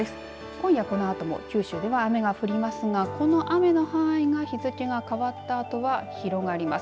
今夜このあとも九州では雨が降りますがこの雨の範囲が日付が変わったあとは広がります。